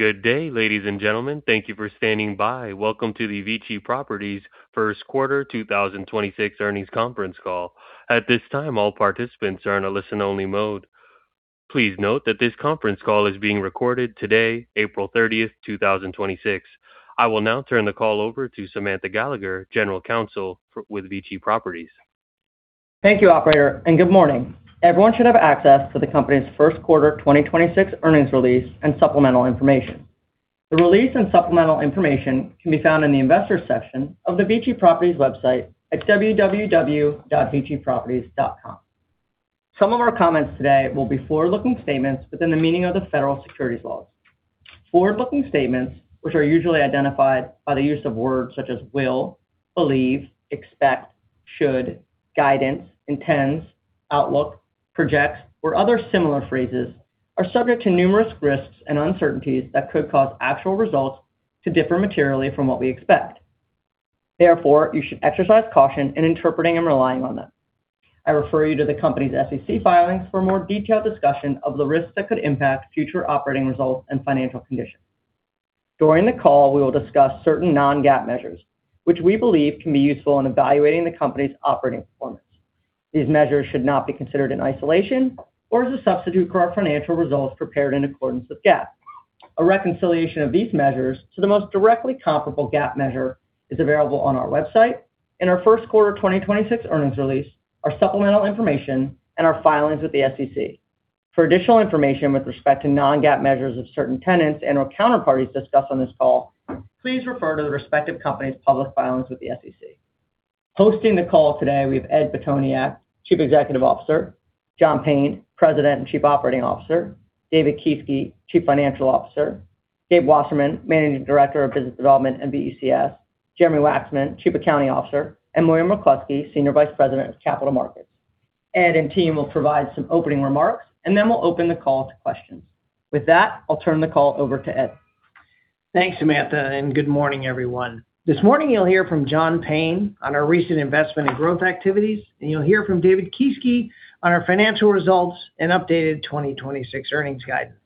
Good day, ladies and gentlemen. Thank you for standing by. Welcome to the VICI Properties Q1 2026 Earnings Conference Call. At this time, all participants are in a listen-only mode. Please note that this conference call is being recorded today, April 30th, 2026. I will now turn the call over to Samantha Gallagher, General Counsel with VICI Properties. Thank you, operator, and good morning. Everyone should have access to the company's Q1 2026 earnings release and supplemental information. The release and supplemental information can be found in the Investors section of the VICI Properties website at www.viciproperties.com. Some of our comments today will be forward-looking statements within the meaning of the federal securities laws. Forward-looking statements, which are usually identified by the use of words such as will, believe, expect, should, guidance, intends, outlook, projects, or other similar phrases, are subject to numerous risks and uncertainties that could cause actual results to differ materially from what we expect. Therefore, you should exercise caution in interpreting and relying on them. I refer you to the company's SEC filings for a more detailed discussion of the risks that could impact future operating results and financial conditions. During the call, we will discuss certain non-GAAP measures, which we believe can be useful in evaluating the company's operating performance. These measures should not be considered in isolation or as a substitute for our financial results prepared in accordance with GAAP. A reconciliation of these measures to the most directly comparable GAAP measure is available on our website in our Q1 2026 earnings release, our supplemental information, and our filings with the SEC. For additional information with respect to non-GAAP measures of certain tenants and/or counterparties discussed on this call, please refer to the respective company's public filings with the SEC. Hosting the call today, we have Ed Pitoniak, Chief Executive Officer; John Payne, President and Chief Operating Officer; David Kieske, Chief Financial Officer; Gabriel Wasserman, Managing Director of Business Development and BECS; Jeremy Waxman, Chief Accounting Officer; and Moira McCloskey, Senior Vice President of Capital Markets. Ed and team will provide some opening remarks, and then we'll open the call to questions. With that, I'll turn the call over to Ed. Thanks, Samantha, and good morning, everyone. This morning you'll hear from John Payne on our recent investment and growth activities, and you'll hear from David Kieske on our financial results and updated 2026 earnings guidance.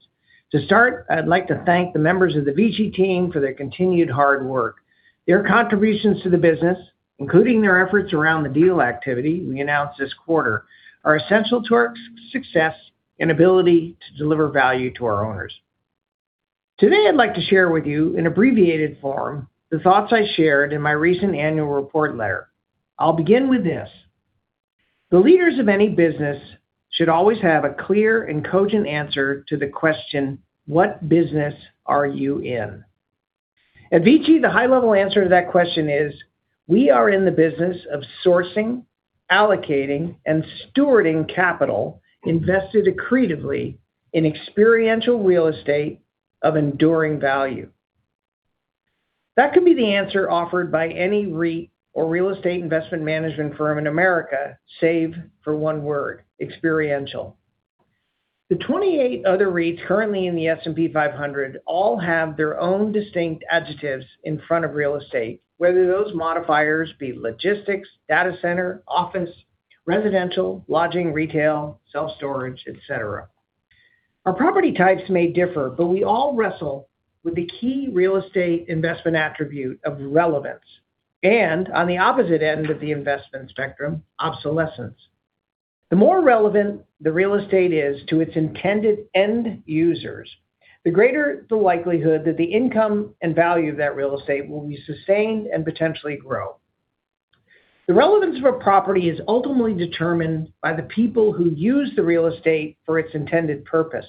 To start, I'd like to thank the members of the VICI team for their continued hard work. Their contributions to the business, including their efforts around the deal activity we announced this quarter, are essential to our success and ability to deliver value to our owners. Today, I'd like to share with you in abbreviated form the thoughts I shared in my recent annual report letter. I'll begin with this. The leaders of any business should always have a clear and cogent answer to the question, "What business are you in?" At VICI, the high-level answer to that question is we are in the business of sourcing, allocating, and stewarding capital invested accretively in experiential real estate of enduring value. That could be the answer offered by any REIT or real estate investment management firm in America, save for one word, experiential. The 28 other REITs currently in the S&P 500 all have their own distinct adjectives in front of real estate, whether those modifiers be logistics, data center, office, residential, lodging, retail, self-storage, et cetera. Our property types may differ, but we all wrestle with the key real estate investment attribute of relevance and, on the opposite end of the investment spectrum, obsolescence. The more relevant the real estate is to its intended end users, the greater the likelihood that the income and value of that real estate will be sustained and potentially grow. The relevance of a property is ultimately determined by the people who use the real estate for its intended purpose.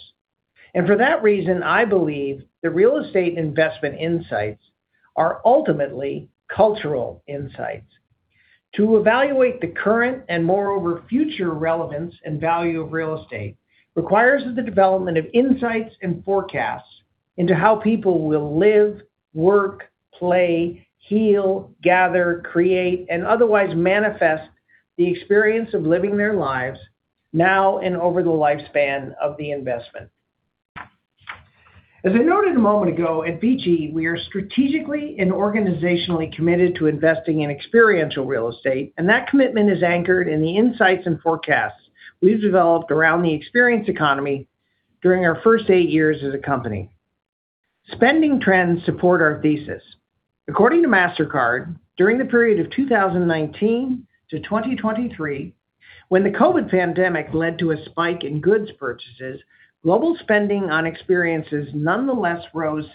For that reason, I believe the real estate investment insights are ultimately cultural insights. To evaluate the current and moreover future relevance and value of real estate requires the development of insights and forecasts into how people will live, work, play, heal, gather, create, and otherwise manifest the experience of living their lives now and over the lifespan of the investment. As I noted a moment ago, at VICI, we are strategically and organizationally committed to investing in experiential real estate, and that commitment is anchored in the insights and forecasts we've developed around the experience economy during our first eight years as a company. Spending trends support our thesis. According to Mastercard, during the period of 2019-2023, when the COVID pandemic led to a spike in goods purchases, global spending on experiences nonetheless rose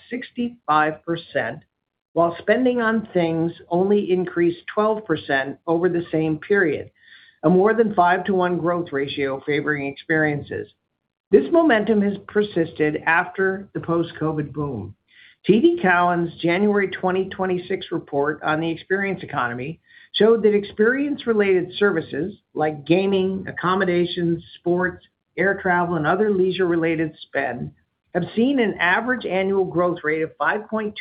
65%, while spending on things only increased 12% over the same period. A more than five to one growth ratio favoring experiences. This momentum has persisted after the post-COVID boom. TD Cowen's January 2026 report on the experience economy showed that experience-related services like gaming, accommodations, sports, air travel, and other leisure-related spend have seen an average annual growth rate of 5.2%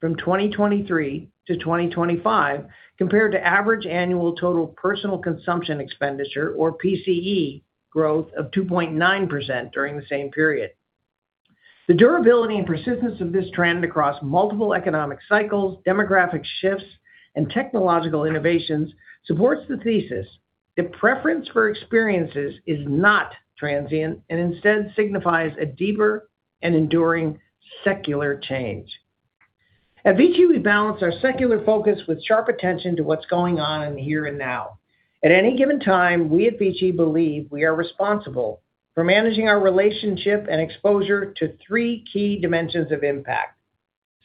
from 2023-2025, compared to average annual total personal consumption expenditure, or PCE, growth of 2.9% during the same period. The durability and persistence of this trend across multiple economic cycles, demographic shifts, and technological innovations supports the thesis. The preference for experiences is not transient and instead signifies a deeper and enduring secular change. At VICI, we balance our secular focus with sharp attention to what's going on in the here and now. At any given time, we at VICI believe we are responsible for managing our relationship and exposure to three key dimensions of impact.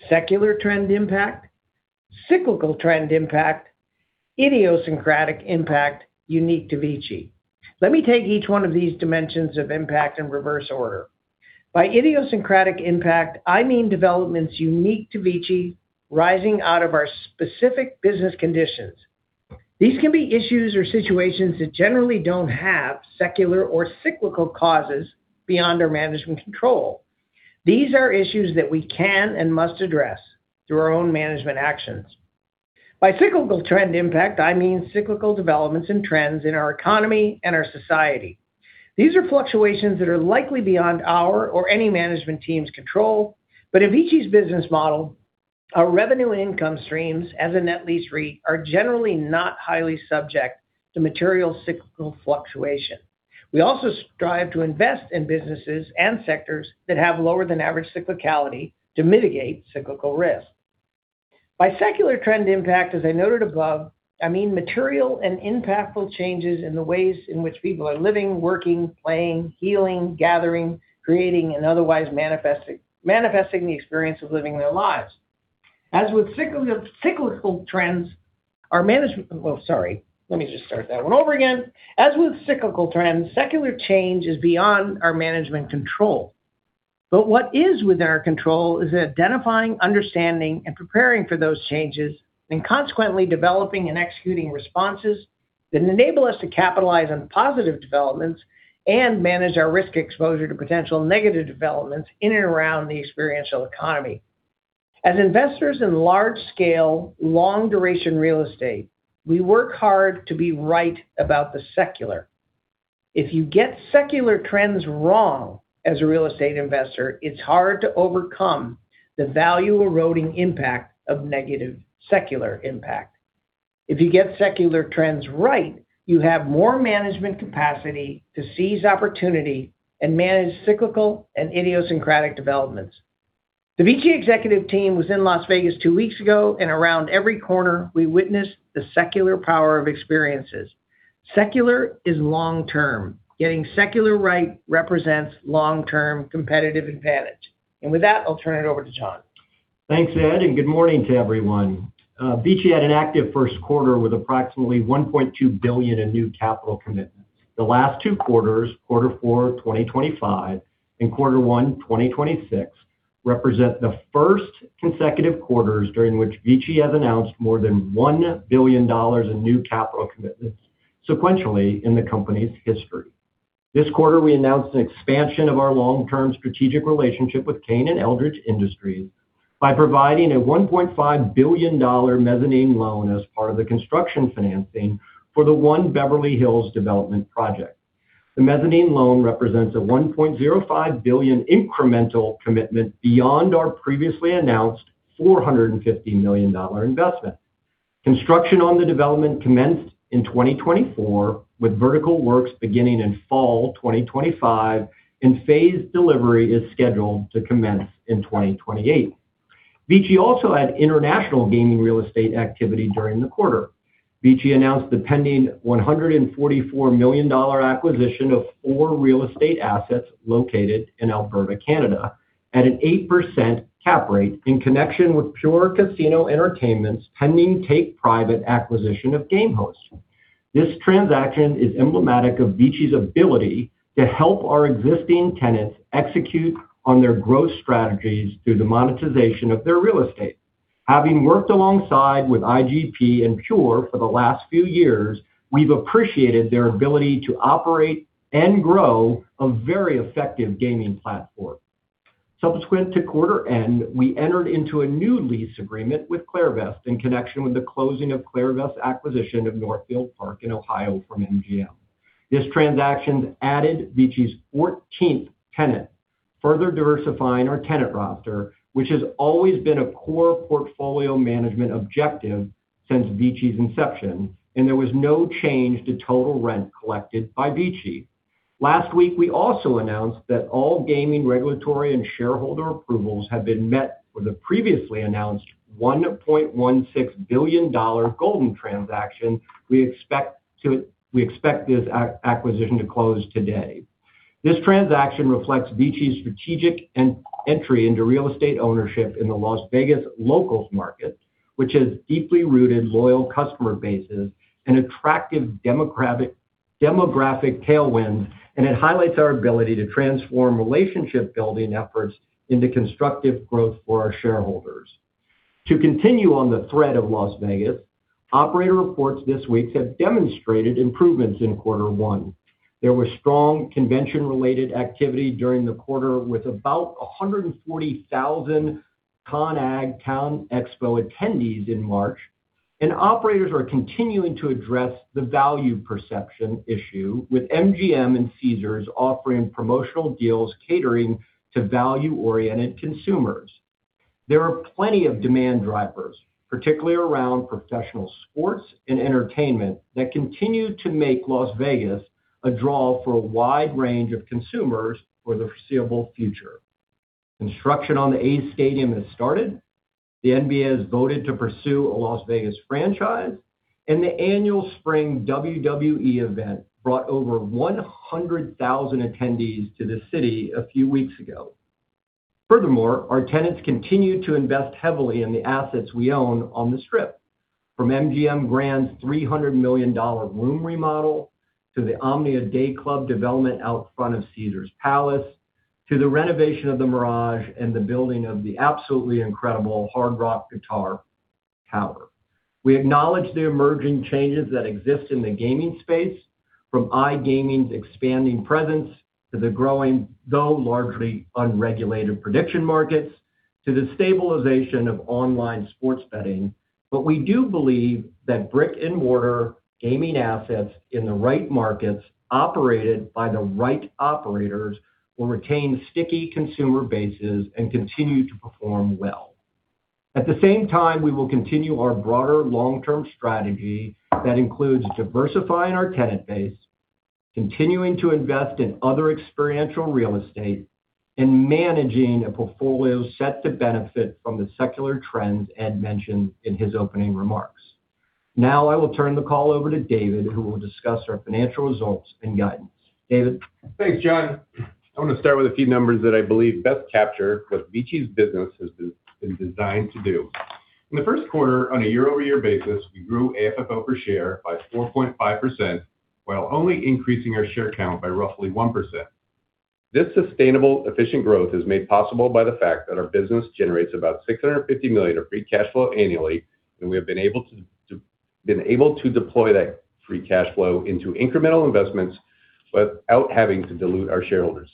Secular trend impact, cyclical trend impact, idiosyncratic impact unique to VICI. Let me take each one of these dimensions of impact in reverse order. By idiosyncratic impact, I mean developments unique to VICI rising out of our specific business conditions. These can be issues or situations that generally don't have secular or cyclical causes beyond our management control. These are issues that we can and must address through our own management actions. By cyclical trend impact, I mean cyclical developments and trends in our economy and our society. These are fluctuations that are likely beyond our or any management team's control. At VICI's business model, our revenue and income streams as a net lease REIT are generally not highly subject to material cyclical fluctuation. We also strive to invest in businesses and sectors that have lower than average cyclicality to mitigate cyclical risk. By secular trend impact, as I noted above, I mean material and impactful changes in the ways in which people are living, working, playing, healing, gathering, creating, and otherwise manifesting the experience of living their lives. As with cyclical trends, secular change is beyond our management control. What is within our control is identifying, understanding, and preparing for those changes and consequently developing and executing responses that enable us to capitalize on positive developments and manage our risk exposure to potential negative developments in and around the experiential economy. As investors in large scale, long duration real estate, we work hard to be right about the secular. If you get secular trends wrong as a real estate investor, it's hard to overcome the value eroding impact of negative secular impact. If you get secular trends right, you have more management capacity to seize opportunity and manage cyclical and idiosyncratic developments. The VICI executive team was in Las Vegas two weeks ago, and around every corner, we witnessed the secular power of experiences. Secular is long term. Getting secular right represents long term competitive advantage. With that, I'll turn it over to John. Thanks, Ed. Good morning to everyone. VICI had an active Q1 with approximately $1.2 billion in new capital commitments. The last two quarters, Q4 2025 and Q1 2026, represent the first consecutive quarters during which VICI has announced more than $1 billion in new capital commitments sequentially in the company's history. This quarter, we announced an expansion of our long-term strategic relationship with Cain and Eldridge Industries by providing a $1.5 billion mezzanine loan as part of the construction financing for the One Beverly Hills development project. The mezzanine loan represents a $1.05 billion incremental commitment beyond our previously announced $450 million investment. Construction on the development commenced in 2024, with vertical works beginning in fall 2025, and phased delivery is scheduled to commence in 2028. VICI also had international gaming real estate activity during the quarter. VICI announced the pending $144 million acquisition of four real estate assets located in Alberta, Canada at an 8% cap rate in connection with Pure Casino Entertainment's pending take private acquisition of Gamehost. This transaction is emblematic of VICI's ability to help our existing tenants execute on their growth strategies through the monetization of their real estate. Having worked alongside with IGP and Pure for the last few years, we've appreciated their ability to operate and grow a very effective gaming platform. Subsequent to quarter end, we entered into a new lease agreement with Clairvest in connection with the closing of Clairvest's acquisition of Northfield Park in Ohio from MGM. This transaction added VICI's 14th tenant, further diversifying our tenant roster, which has always been a core portfolio management objective since VICI's inception. There was no change to total rent collected by VICI. Last week, we also announced that all gaming regulatory and shareholder approvals have been met for the previously announced $1.16 billion Golden transaction. We expect this acquisition to close today. This transaction reflects VICI's strategic entry into real estate ownership in the Las Vegas locals market, which has deeply rooted loyal customer bases and attractive demographic tailwind. It highlights our ability to transform relationship building efforts into constructive growth for our shareholders. To continue on the thread of Las Vegas, operator reports this week have demonstrated improvements in Q1. There was strong convention-related activity during the quarter with about 140,000 CONEXPO-CON/AGG attendees in March. Operators are continuing to address the value perception issue with MGM and Caesars offering promotional deals catering to value-oriented consumers. There are plenty of demand drivers, particularly around professional sports and entertainment, that continue to make Las Vegas a draw for a wide range of consumers for the foreseeable future. Construction on the Athletics stadium has started. The NBA has voted to pursue a Las Vegas franchise, and the annual spring WWE event brought over 100,000 attendees to the city a few weeks ago. Furthermore, our tenants continue to invest heavily in the assets we own on the Strip. From MGM Grand's $300 million room remodel to the OMNIA Dayclub development out front of Caesars Palace to the renovation of The Mirage and the building of the absolutely incredible Hard Rock guitar tower. We acknowledge the emerging changes that exist in the gaming space, from iGaming's expanding presence to the growing, though largely unregulated, prediction markets, to the stabilization of online sports betting. We do believe that brick-and-mortar gaming assets in the right markets, operated by the right operators, will retain sticky consumer bases and continue to perform well. At the same time, we will continue our broader long-term strategy that includes diversifying our tenant base, continuing to invest in other experiential real estate, and managing a portfolio set to benefit from the secular trends Ed mentioned in his opening remarks. Now I will turn the call over to David, who will discuss our financial results and guidance. David? Thanks, John. I wanna start with a few numbers that I believe best capture what VICI's business has been designed to do. In the first quarter on a year-over-year basis, we grew AFFO per share by 4.5%, while only increasing our share count by roughly 1%. This sustainable, efficient growth is made possible by the fact that our business generates about $650 million of free cash flow annually, and we have been able to deploy that free cash flow into incremental investments without having to dilute our shareholders.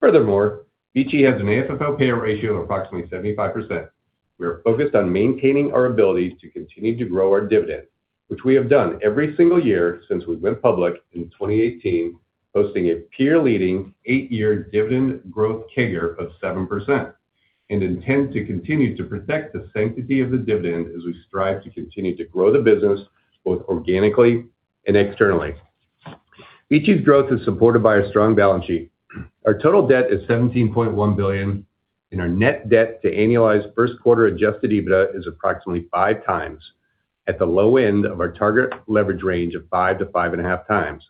Furthermore, VICI has an AFFO payout ratio of approximately 75%. We are focused on maintaining our ability to continue to grow our dividend, which we have done every single year since we went public in 2018, posting a peer-leading 8-year dividend growth CAGR of 7%, and intend to continue to protect the sanctity of the dividend as we strive to continue to grow the business both organically and externally. VICI's growth is supported by a strong balance sheet. Our total debt is $17.1 billion, and our net debt to annualized first quarter adjusted EBITDA is approximately 5 times, at the low end of our target leverage range of 5 to 5.5 times.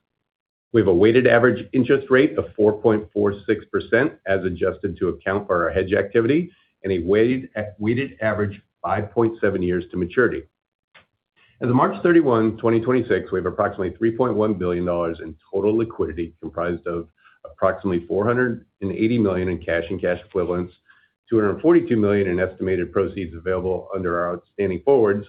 We have a weighted average interest rate of 4.46%, as adjusted to account for our hedge activity, and a weighted average 5.7 years to maturity. As of March 31, 2026, we have approximately $3.1 billion in total liquidity, comprised of approximately $480 million in cash and cash equivalents, $242 million in estimated proceeds available under our outstanding forwards,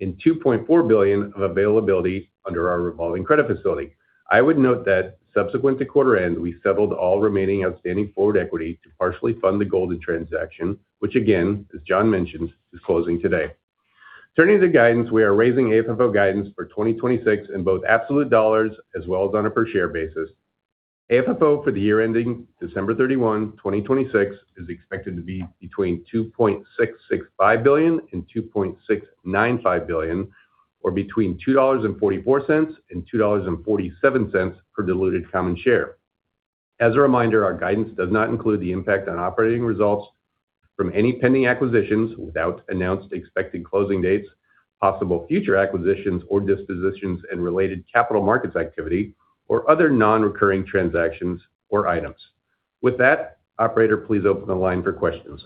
and $2.4 billion of availability under our revolving credit facility. I would note that subsequent to quarter end, we settled all remaining outstanding forward equity to partially fund the Golden transaction, which again, as John mentioned, is closing today. Turning to guidance, we are raising AFFO guidance for 2026 in both absolute dollars as well as on a per share basis. AFFO for the year ending December 31, 2026, is expected to be between $2.665 billion and $2.695 billion, or between $2.44 and $2.47 per diluted common share. As a reminder, our guidance does not include the impact on operating results from any pending acquisitions without announced expected closing dates, possible future acquisitions or dispositions and related capital markets activity, or other non-recurring transactions or items. With that, operator, please open the line for questions.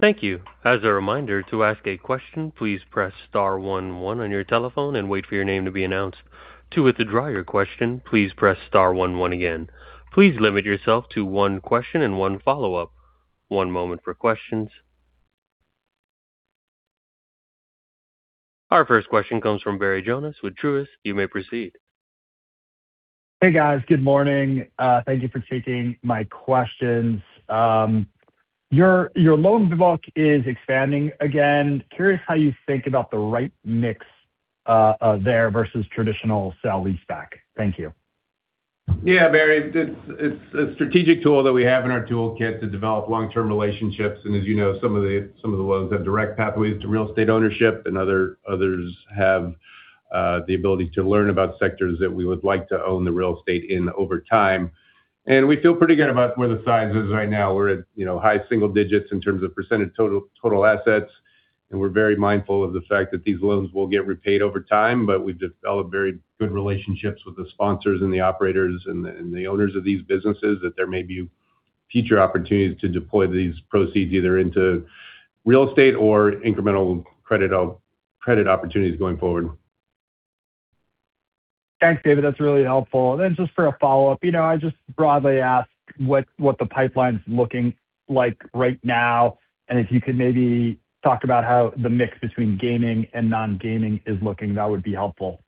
Thank you. As a reminder, to ask a question, please press star one one on your telephone and wait for your name to be announced. To withdraw your question, please press star one one again. Please limit yourself to one question and one follow-up. One moment for questions. Our first question comes from Barry Jonas with Truist. You may proceed. Hey, guys. Good morning. Thank you for taking my questions. Your loan book is expanding again. Curious how you think about the right mix there versus traditional sell leaseback. Thank you. Yeah, Barry, it's a strategic tool that we have in our toolkit to develop long-term relationships. As you know, some of the loans have direct pathways to real estate ownership and others have the ability to learn about sectors that we would like to own the real estate in over time. We feel pretty good about where the size is right now. We're at, you know, high single digits in terms of percent total assets, and we're very mindful of the fact that these loans will get repaid over time. We've developed very good relationships with the sponsors and the operators and the owners of these businesses, that there may be future opportunities to deploy these proceeds either into real estate or incremental credit opportunities going forward. Thanks, David. That's really helpful. Then just for a follow-up, you know, I just broadly ask what the pipeline's looking like right now, and if you could maybe talk about how the mix between gaming and non-gaming is looking, that would be helpful.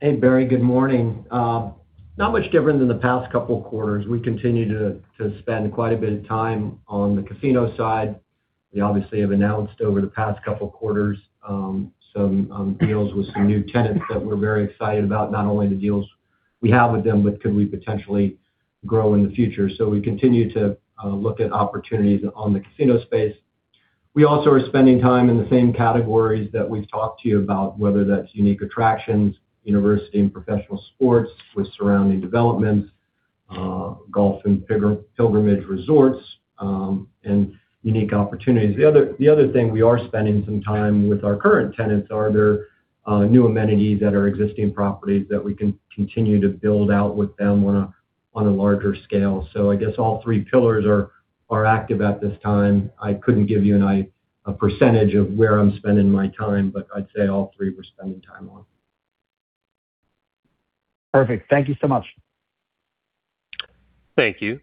Hey, Barry. Good morning. Not much different than the past couple of quarters. We continue to spend quite a bit of time on the casino side. We obviously have announced over the past couple quarters, some deals with some new tenants that we're very excited about, not only the deals we have with them, but could we potentially grow in the future. We continue to look at opportunities on the casino space. We also are spending time in the same categories that we've talked to you about, whether that's unique attractions, university and professional sports with surrounding developments, golf and pilgrimage resorts, and unique opportunities. The other thing we are spending some time with our current tenants are there new amenities at our existing properties that we can continue to build out with them on a larger scale. I guess all three pillars are active at this time. I couldn't give you a percentage of where I'm spending my time, but I'd say all three we're spending time on. Perfect. Thank you so much. Thank you.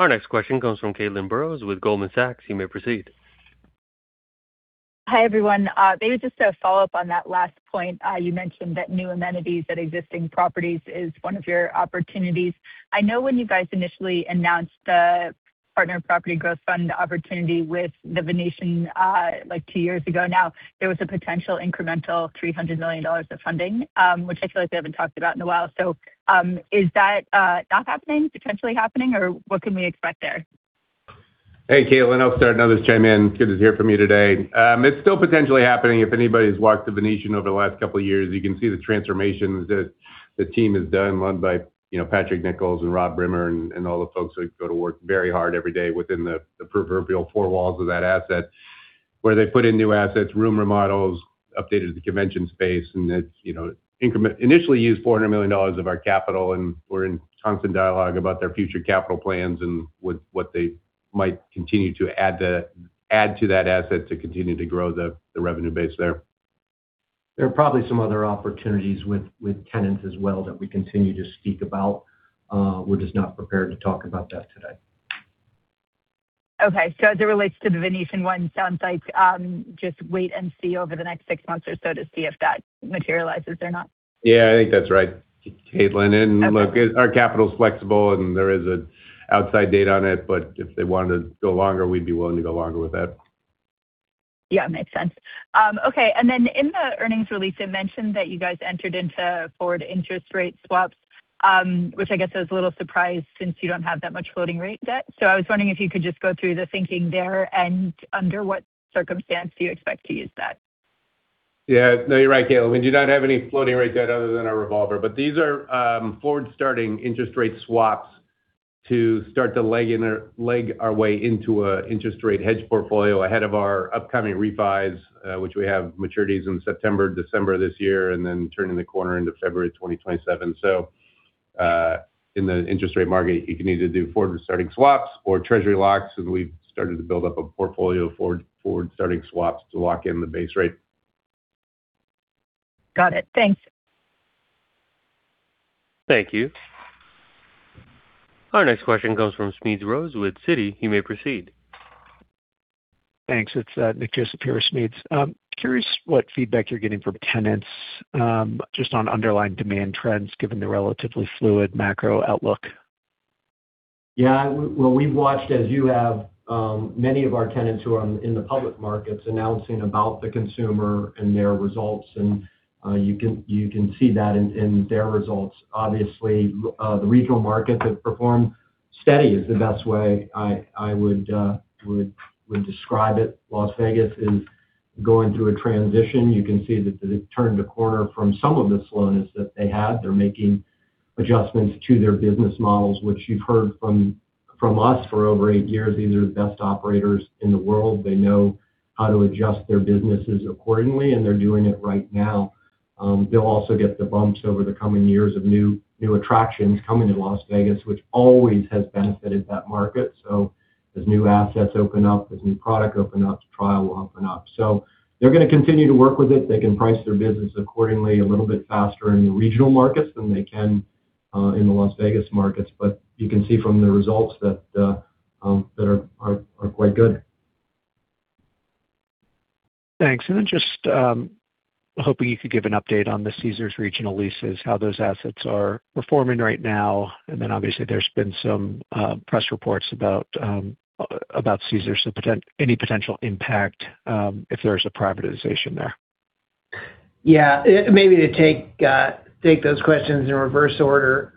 Our next question comes from Caitlin Burrows with Goldman Sachs. You may proceed. Hi, everyone. Maybe just a follow-up on that last point. You mentioned that new amenities at existing properties is one of your opportunities. I know when you guys initially announced the partner property growth fund opportunity with The Venetian, like two years ago now, there was a potential incremental $300 million of funding, which I feel like we haven't talked about in a while. Is that not happening, potentially happening, or what can we expect there? Hey, Caitlin. I'll start and others chime in. Kid is here for me today. It's still potentially happening. If anybody's walked to Venetian over the last couple of years, you can see the transformations that the team has done, run by, you know, Patrick Nichols and Robert Brimmer and all the folks who go to work very hard every day within the proverbial four walls of that asset, where they put in new assets, room remodels, updated the convention space. It's, you know, initially used $400 million of our capital, and we're in constant dialogue about their future capital plans and what they might continue to add to that asset to continue to grow the revenue base there. There are probably some other opportunities with tenants as well that we continue to speak about. We're just not prepared to talk about that today. Okay. As it relates to The Venetian one, sounds like, just wait and see over the next 6 months or so to see if that materializes or not. Yeah, I think that's right, Caitlin. Okay. Look, our capital is flexible and there is an outside date on it, but if they wanted to go longer, we'd be willing to go longer with it. Yeah, makes sense. Okay. In the earnings release, it mentioned that you guys entered into forward interest rate swaps, which I guess was a little surprise since you don't have that much floating rate debt. I was wondering if you could just go through the thinking there and under what circumstance do you expect to use that? Yeah. No, you're right, Caitlin. We do not have any floating rate debt other than our revolver. These are forward starting interest rate swaps to start to leg our way into a interest rate hedge portfolio ahead of our upcoming refis, which we have maturities in September, December this year, and then turning the corner into February 2027. In the interest rate market, you can either do forward starting swaps or treasury locks, and we've started to build up a portfolio of forward starting swaps to lock in the base rate. Got it. Thanks. Thank you. Our next question comes from Smedes Rose with Citi. You may proceed. Thanks. It's Nick Joseph, Smedes Rose. Curious what feedback you're getting from tenants, just on underlying demand trends given the relatively fluid macro outlook? Yeah. Well, we've watched, as you have, many of our tenants who are in the public markets announcing about the consumer and their results, you can see that in their results. Obviously, the regional markets have performed steady is the best way I would describe it. Las Vegas is going through a transition. You can see that it turned a corner from some of the slowness that they had. They're making adjustments to their business models, which you've heard from us for over eight years. These are the best operators in the world. They know how to adjust their businesses accordingly, they're doing it right now. They'll also get the bumps over the coming years of new attractions coming to Las Vegas, which always has benefited that market. As new assets open up, as new product open up, trial will open up. They're gonna continue to work with it. They can price their business accordingly a little bit faster in the regional markets than they can in the Las Vegas markets. You can see from the results that are quite good. Thanks. Just hoping you could give an update on the Caesars regional leases, how those assets are performing right now. Obviously, there's been some press reports about about Caesars, any potential impact if there's a privatization there. Maybe to take those questions in reverse order.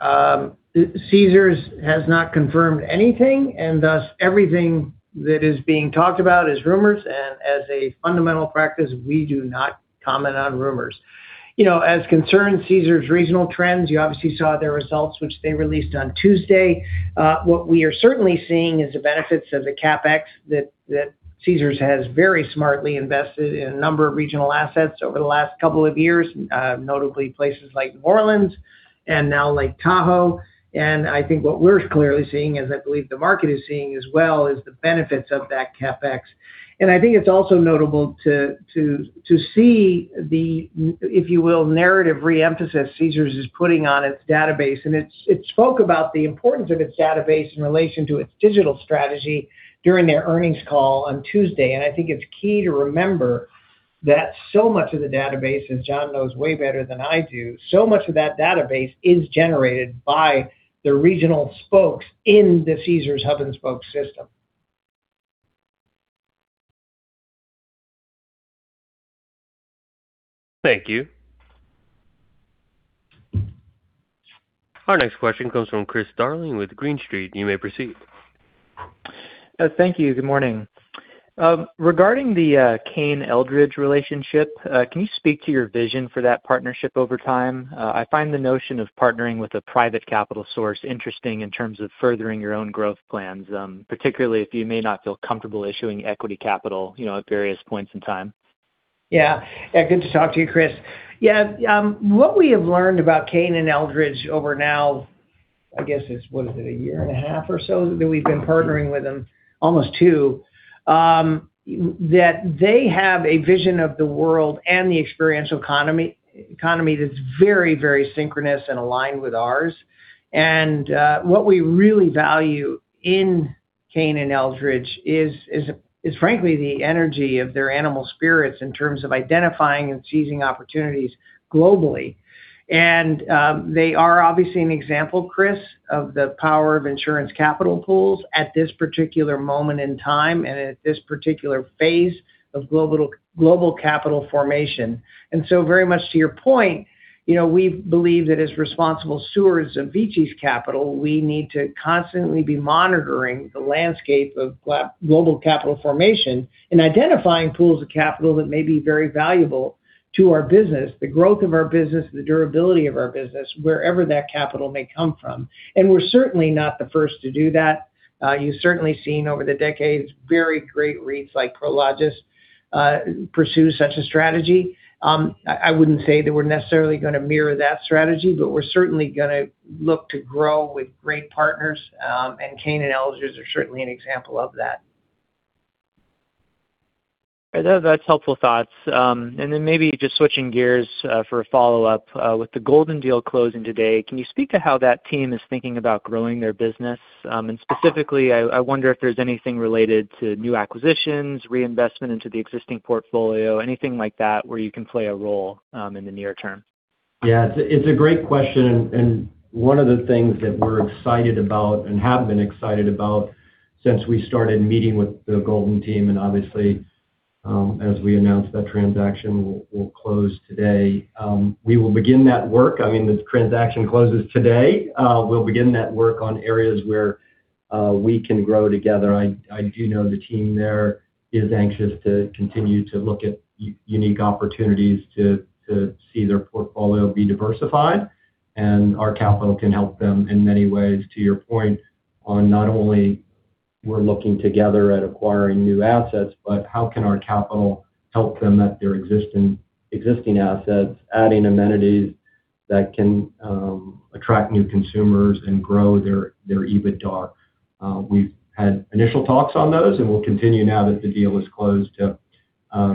Caesars has not confirmed anything, thus everything that is being talked about is rumors. As a fundamental practice, we do not comment on rumors. You know, as concerns Caesars regional trends, you obviously saw their results, which they released on Tuesday. What we are certainly seeing is the benefits of the CapEx that Caesars has very smartly invested in a number of regional assets over the last couple of years, notably places like New Orleans and now Lake Tahoe. I think what we're clearly seeing, as I believe the market is seeing as well, is the benefits of that CapEx. I think it's also notable to see the if you will, narrative re-emphasis Caesars is putting on its database. It spoke about the importance of its database in relation to its digital strategy during their earnings call on Tuesday. I think it's key to remember that so much of the database, as John knows way better than I do, so much of that database is generated by the regional spokes in the Caesars hub and spoke system. Thank you. Our next question comes from Chris Darling with Green Street. You may proceed. Thank you. Good morning. Regarding the Cain and Eldridge relationship, can you speak to your vision for that partnership over time? I find the notion of partnering with a private capital source interesting in terms of furthering your own growth plans, particularly if you may not feel comfortable issuing equity capital, you know, at various points in time. Good to talk to you, Chris. What we have learned about Cain and Eldridge over now, I guess it's, what is it, a year and a half or so that we've been partnering with them, almost two, that they have a vision of the world and the experiential economy that's very, very synchronous and aligned with ours. What we really value in Cain and Eldridge is frankly the energy of their animal spirits in terms of identifying and seizing opportunities globally. They are obviously an example, Chris, of the power of insurance capital pools at this particular moment in time, and at this particular phase of global capital formation. Very much to your point, you know, we believe that as responsible stewards of VICI's capital, we need to constantly be monitoring the landscape of global capital formation and identifying pools of capital that may be very valuable to our business, the growth of our business, the durability of our business, wherever that capital may come from. We're certainly not the first to do that. You've certainly seen over the decades very great REITs like Prologis pursue such a strategy. I wouldn't say that we're necessarily gonna mirror that strategy, but we're certainly gonna look to grow with great partners, and Cain and Eldridge are certainly an example of that. That's helpful thoughts. Then maybe just switching gears for a follow-up. With the Golden deal closing today, can you speak to how that team is thinking about growing their business? Specifically, I wonder if there's anything related to new acquisitions, reinvestment into the existing portfolio, anything like that where you can play a role in the near term. Yeah. It's a great question, one of the things that we're excited about and have been excited about since we started meeting with the Golden team, obviously, as we announced that transaction will close today. We will begin that work. I mean, this transaction closes today. We'll begin that work on areas where we can grow together. I do know the team there is anxious to continue to look at unique opportunities to see their portfolio be diversified, our capital can help them in many ways. To your point on not only we're looking together at acquiring new assets, but how can our capital help them at their existing assets, adding amenities that can attract new consumers and grow their EBITDA. We've had initial talks on those, and we'll continue now that the deal is closed to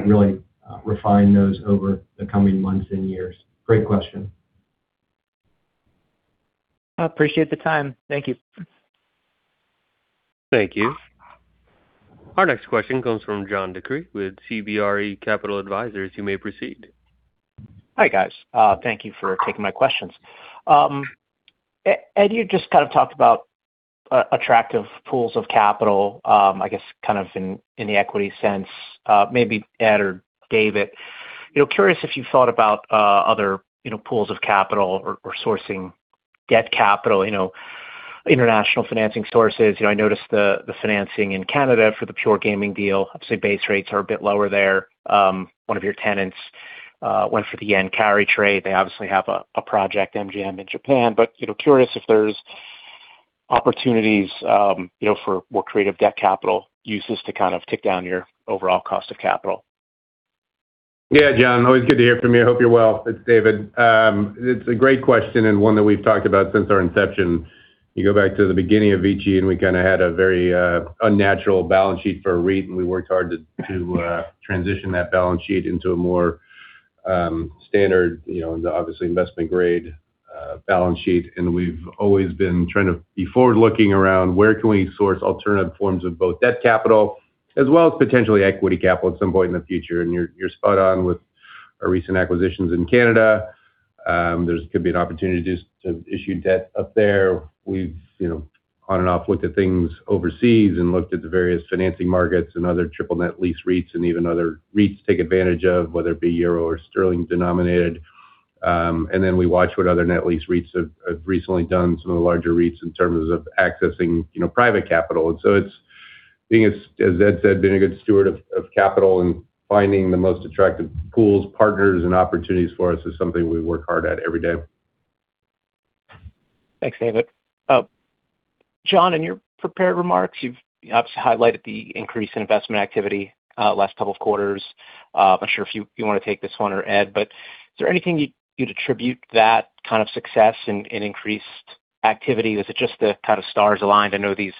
really refine those over the coming months and years. Great question. Appreciate the time. Thank you. Thank you. Our next question comes from John DeCree with CBRE Capital Advisors. You may proceed. Hi, guys. Thank you for taking my questions. Ed, you just kind of talked about attractive pools of capital, I guess kind of in the equity sense. Maybe Ed or David, you know, curious if you've thought about other, you know, pools of capital or sourcing debt capital, you know, international financing sources. You know, I noticed the financing in Canada for the Pure Gaming deal. Obviously, base rates are a bit lower there. One of your tenants went for the yen carry trade. They obviously have a project, MGM, in Japan. Curious if there's opportunities, you know, for more creative debt capital uses to kind of take down your overall cost of capital. Yeah, John, always good to hear from you. Hope you're well. It's David. It's a great question and one that we've talked about since our inception. You go back to the beginning of VICI, we kind of had a very unnatural balance sheet for a REIT, and we worked hard to transition that balance sheet into a more standard, you know, obviously investment grade balance sheet. We've always been trying to be forward-looking around where can we source alternative forms of both debt capital as well as potentially equity capital at some point in the future. You're spot on with our recent acquisitions in Canada. There could be an opportunity to issue debt up there. We've, you know, on and off looked at things overseas and looked at the various financing markets and other triple net lease REITs and even other REITs to take advantage of, whether it be euro or sterling denominated. Then we watch what other net lease REITs have recently done, some of the larger REITs in terms of accessing, you know, private capital. So it's being, as Ed said, being a good steward of capital and finding the most attractive pools, partners, and opportunities for us is something we work hard at every day. Thanks, David. John, in your prepared remarks, you've obviously highlighted the increase in investment activity, last couple of quarters. I'm not sure if you want to take this one or Ed, but is there anything you'd attribute that kind of success in increased activity? Is it just the kind of stars aligned? I know these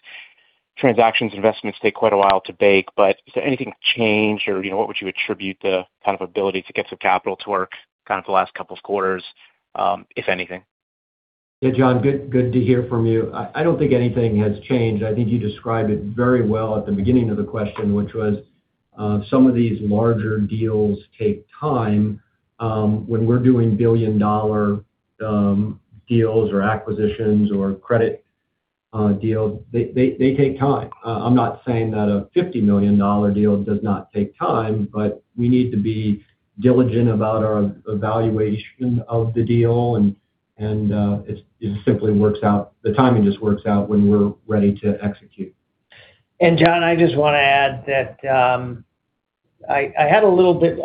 transactions investments take quite a while to bake, but is there anything changed or, you know, what would you attribute the kind of ability to get some capital to work kind of the last couple of quarters, if anything? Yeah, John, good to hear from you. I don't think anything has changed. I think you described it very well at the beginning of the question, which was, some of these larger deals take time. When we're doing billion-dollar deals or acquisitions or credit. Deals, they take time. I'm not saying that a $50 million deal does not take time. We need to be diligent about our evaluation of the deal and it simply works out. The timing just works out when we're ready to execute. John, I just wanna add that I had a little bit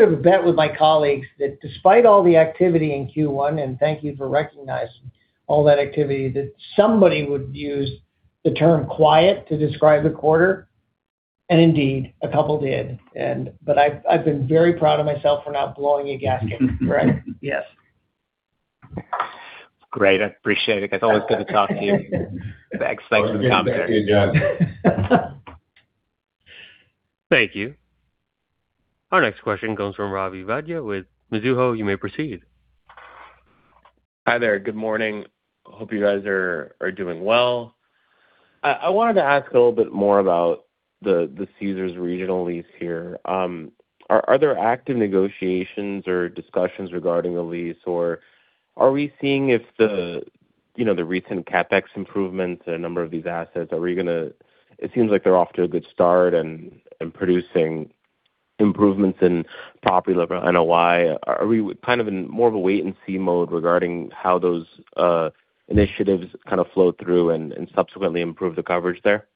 of a bet with my colleagues that despite all the activity in Q1, and thank you for recognizing all that activity, that somebody would use the term quiet to describe the quarter, and indeed, a couple did. But I've been very proud of myself for not blowing a gasket. Correct, yes. Great. I appreciate it. It is always good to talk to you. Thanks. Thanks for the commentary. Thank you, John. Thank you. Our next question comes from Robert Yawger with Mizuho. You may proceed. Hi there. Good morning. Hope you guys are doing well. I wanted to ask a little bit more about the Caesars Regional lease here. Are there active negotiations or discussions regarding the lease, or are we seeing if the, you know, the recent CapEx improvements in a number of these assets, it seems like they're off to a good start and producing improvements in property level NOI? Are we kind of in more of a wait and see mode regarding how those initiatives kind of flow through and subsequently improve the coverage there?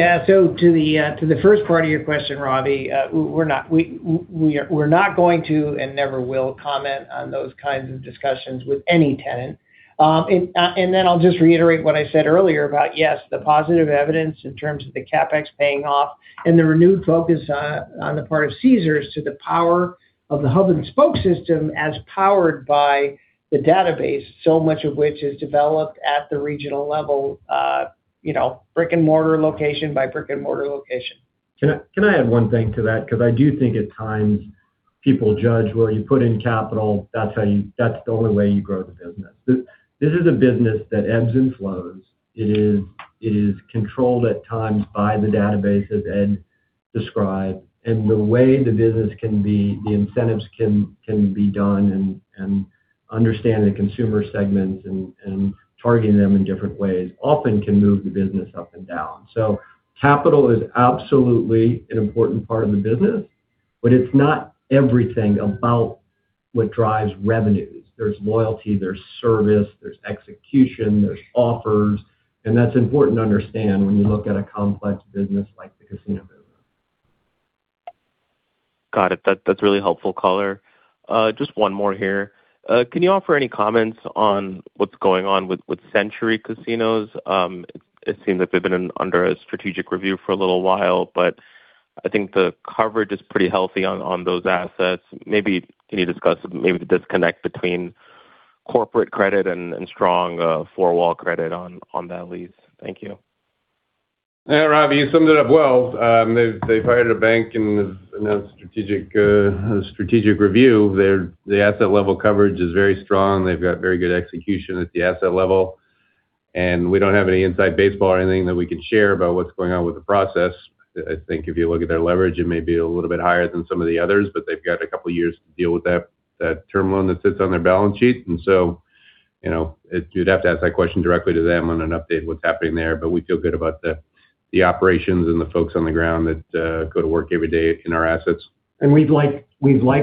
To the first part of your question, Robert, we're not going to and never will comment on those kinds of discussions with any tenant. I'll just reiterate what I said earlier about, yes, the positive evidence in terms of the CapEx paying off and the renewed focus, on the part of Caesars to the power of the hub and spoke system as powered by the database, so much of which is developed at the regional level, you know, brick and mortar location by brick and mortar location. Can I add one thing to that? Because I do think at times people judge, well, you put in capital, that's the only way you grow the business. This is a business that ebbs and flows. It is controlled at times by the database that Ed described. The way the business can be, the incentives can be done and understanding consumer segments and targeting them in different ways often can move the business up and down. Capital is absolutely an important part of the business, but it's not everything about what drives revenues. There's loyalty, there's service, there's execution, there's offers, and that's important to understand when you look at a complex business like the casino business. Got it. That, that's really helpful color. Just 1 more here. Can you offer any comments on what's going on with Century Casinos? It seems that they've been in under a strategic review for a little while, but I think the coverage is pretty healthy on those assets. Maybe can you discuss maybe the disconnect between corporate credit and strong four-wall credit on that lease? Thank you. Yeah. Robert, you summed it up well. They've hired a bank and announced strategic strategic review. The asset level coverage is very strong. They've got very good execution at the asset level, and we don't have any inside baseball or anything that we can share about what's going on with the process. I think if you look at their leverage, it may be a little bit higher than some of the others, but they've got 2 years to deal with that term loan that sits on their balance sheet. You know, you'd have to ask that question directly to them on an update what's happening there. We feel good about the operations and the folks on the ground that go to work every day in our assets. We'd like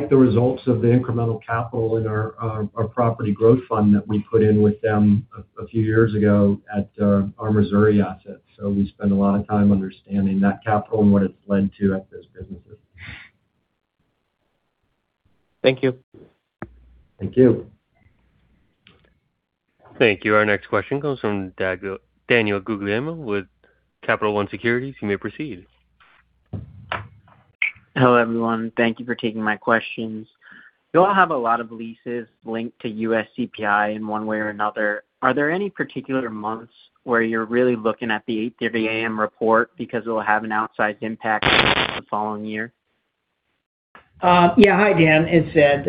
the results of the incremental capital in our property growth fund that we put in with them a few years ago at our Missouri assets. We spend a lot of time understanding that capital and what it's led to at those businesses. Thank you. Thank you. Thank you. Our next question comes from Daniel Guglielmo with Capital One Securities. You may proceed. Hello, everyone. Thank you for taking my questions. You all have a lot of leases linked to US CPI in one way or another. Are there any particular months where you're really looking at the 8:00 A.M. report because it'll have an outsized impact the following year? Yeah. Hi, Dan. It's Ed.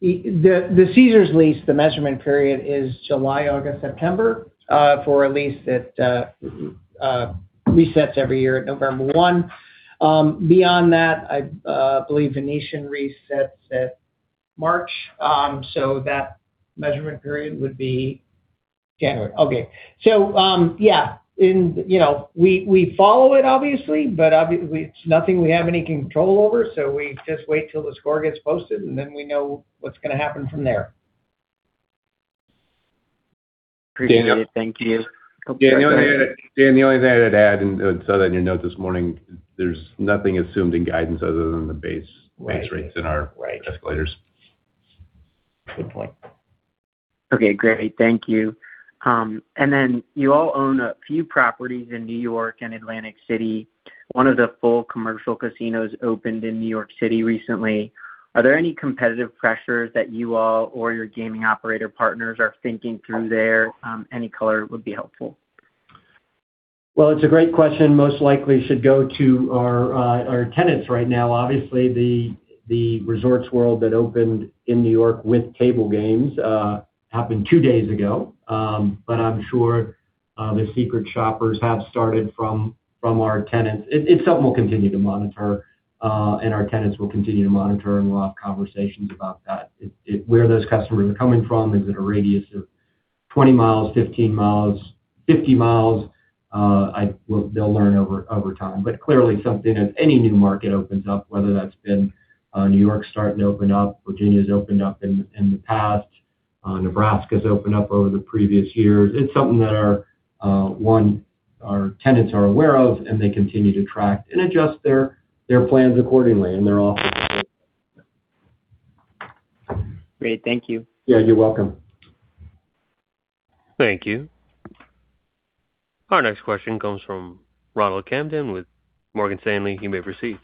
The Caesars lease, the measurement period is July, August, September, for a lease that resets every year at November 1. Beyond that, I believe Venetian resets at March, so that measurement period would be January. Okay. Yeah. You know, we follow it obviously, but obviously it's nothing we have any control over. We just wait till the score gets posted, and then we know what's gonna happen from there. Appreciate it. Thank you. Dan, the only thing I’d add, and it was said in your note this morning, there’s nothing assumed in guidance other than the base rates in our escalators. Good point. Okay, great. Thank you. You all own a few properties in New York and Atlantic City. One of the full commercial casinos opened in New York City recently. Are there any competitive pressures that you all or your gaming operator partners are thinking through there? Any color would be helpful. Well, it's a great question. Most likely should go to our tenants right now. Obviously, the Resorts World that opened in New York with table games happened two days ago. The secret shoppers have started from our tenants. It's something we'll continue to monitor, and our tenants will continue to monitor, and we'll have conversations about that. Where those customers are coming from, is it a radius of 20 miles, 15 miles, 50 miles? They'll learn over time. Clearly something, if any new market opens up, whether that's been, New York starting to open up, Virginia's opened up in the past, Nebraska's opened up over the previous years. It's something that our, one, our tenants are aware of, and they continue to track and adjust their plans accordingly in their offerings. Great. Thank you. Yeah, you're welcome. Thank you. Our next question comes from Ronald Kamdem with Morgan Stanley. You may proceed.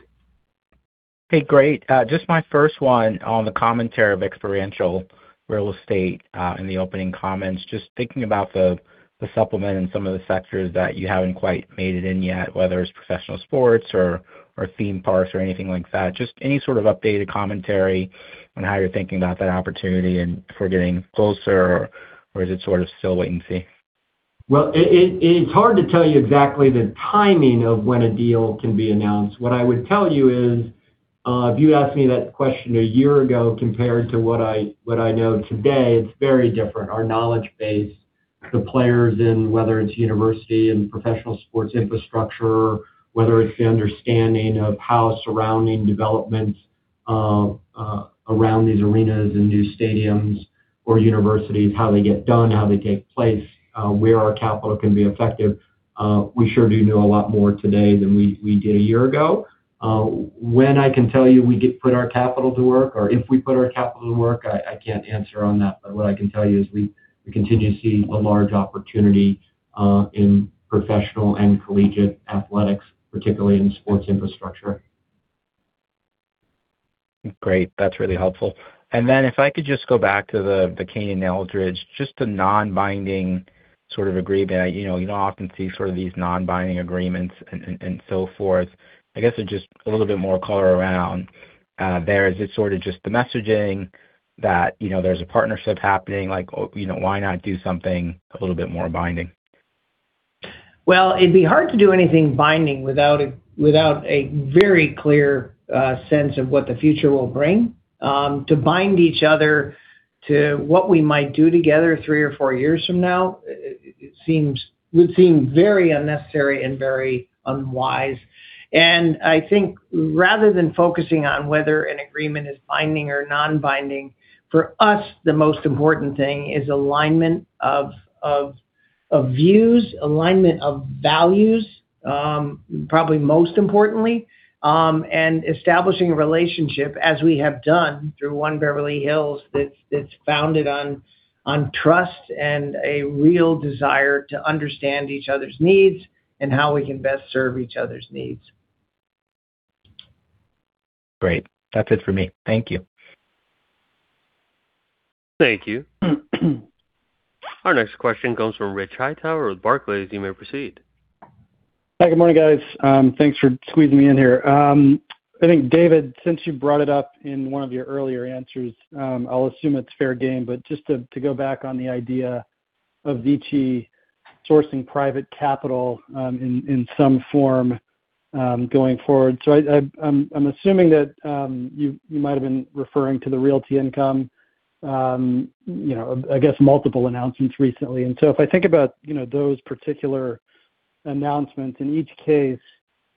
Hey, great. Just my first one on the commentary of experiential real estate, in the opening comments. Just thinking about the supplement and some of the sectors that you haven't quite made it in yet, whether it's professional sports or theme parks or anything like that. Just any sort of updated commentary on how you're thinking about that opportunity and if we're getting closer or is it sort of still wait and see? It's hard to tell you exactly the timing of when a deal can be announced. What I would tell you is, if you'd asked me that question a year ago compared to what I know today, it's very different. Our knowledge base, the players in whether it's university and professional sports infrastructure, whether it's the understanding of how surrounding developments around these arenas and new stadiums or universities, how they get done, how they take place, where our capital can be effective, we sure do know a lot more today than we did a year ago. When I can tell you we get put our capital to work or if we put our capital to work, I can't answer on that. What I can tell you is we continue to see a large opportunity in professional and collegiate athletics, particularly in sports infrastructure. Great. That's really helpful. Then if I could just go back to the Cain and Eldridge, just the non-binding sort of agreement. You know, you know, I often see sort of these non-binding agreements and so forth. I guess just a little bit more color around there. Is it sort of just the messaging that, you know, there's a partnership happening? You know, why not do something a little bit more binding? Well, it'd be hard to do anything binding without a, without a very clear sense of what the future will bring. To bind each other to what we might do together three or four years from now, it would seem very unnecessary and very unwise. I think rather than focusing on whether an agreement is binding or non-binding, for us, the most important thing is alignment of views, alignment of values, probably most importantly, and establishing a relationship, as we have done through One Beverly Hills, that's founded on trust and a real desire to understand each other's needs and how we can best serve each other's needs. Great. That's it for me. Thank you. Thank you. Our next question comes from Richard Hightower with Barclays. You may proceed. Hi, good morning, guys. Thanks for squeezing me in here. I think, David, since you brought it up in one of your earlier answers, I'll assume it's fair game, but just to go back on the idea of VICI sourcing private capital, in some form, going forward. I'm assuming that, you might have been referring to the Realty Income, you know, I guess multiple announcements recently. If I think about, you know, those particular announcements in each case,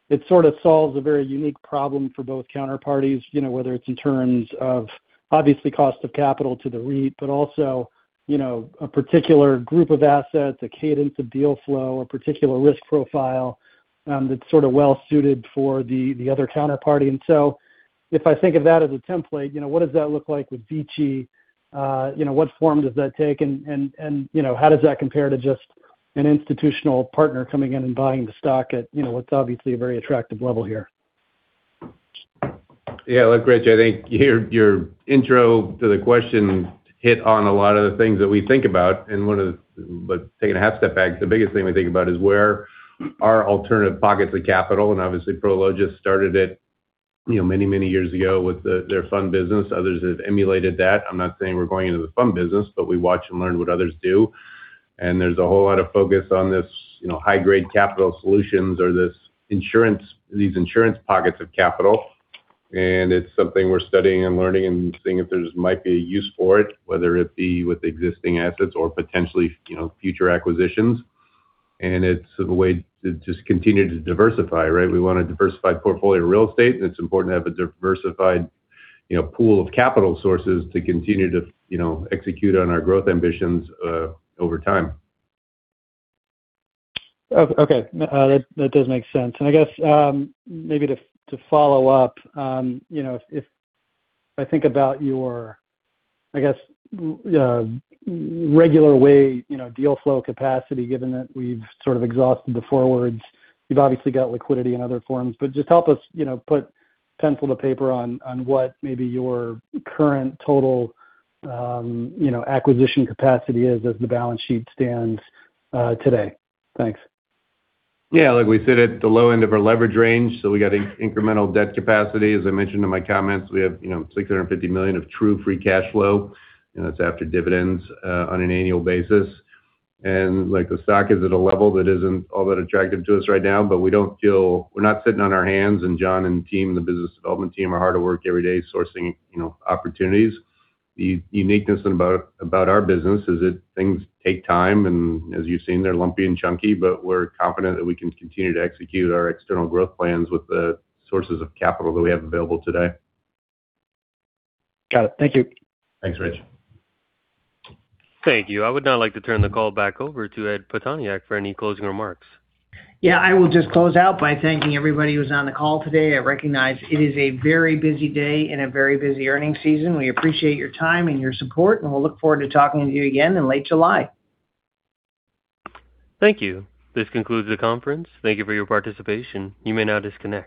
it sort of solves a very unique problem for both counterparties, you know, whether it's in terms of obviously cost of capital to the REIT, but also, you know, a particular group of assets, a cadence of deal flow or particular risk profile, that's sort of well suited for the other counterparty. If I think of that as a template, you know, what does that look like with VICI? You know, what form does that take, and, you know, how does that compare to just an institutional partner coming in and buying the stock at, you know, what's obviously a very attractive level here? Yeah, look, Rich, I think your intro to the question hit on a lot of the things that we think about. But taking a half step back, the biggest thing we think about is where our alternative pockets of capital. Obviously, Prologis started it, you know, many, many years ago with their fund business. Others have emulated that. I'm not saying we're going into the fund business, but we watch and learn what others do. There's a whole lot of focus on this, you know, high grade capital solutions or these insurance pockets of capital. It's something we're studying and learning and seeing if there's might be a use for it, whether it be with existing assets or potentially, you know, future acquisitions. It's a way to just continue to diversify, right? We want a diversified portfolio of real estate, and it's important to have a diversified, you know, pool of capital sources to continue to, you know, execute on our growth ambitions, over time. Okay. That does make sense. I guess, maybe to follow up, you know, if I think about your, I guess, regular way, you know, deal flow capacity, given that we've sort of exhausted the forwards, you've obviously got liquidity in other forms. Just help us, you know, put pencil to paper on what maybe your current total, you know, acquisition capacity is as the balance sheet stands today. Thanks. Yeah. Like we said, at the low end of our leverage range, we got incremental debt capacity. As I mentioned in my comments, we have, you know, $650 million of true free cash flow, that's after dividends, on an annual basis. Like the stock is at a level that isn't all that attractive to us right now, we're not sitting on our hands, John and the team, the business development team, are hard at work every day sourcing, you know, opportunities. The uniqueness about our business is that things take time, as you've seen, they're lumpy and chunky, we're confident that we can continue to execute our external growth plans with the sources of capital that we have available today. Got it. Thank you. Thanks, Rich. Thank you. I would now like to turn the call back over to Ed Pitoniak for any closing remarks. Yeah. I will just close out by thanking everybody who's on the call today. I recognize it is a very busy day and a very busy earnings season. We appreciate your time and your support, and we'll look forward to talking with you again in late July. Thank you. This concludes the conference. Thank you for your participation. You may now disconnect.